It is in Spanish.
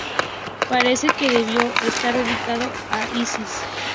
Parece que debió estar dedicado a Isis.